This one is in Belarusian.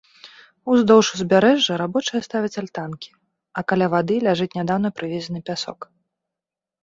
Уздоўж узбярэжжа рабочыя ставяць альтанкі, а каля вады ляжыць нядаўна прывезены пясок.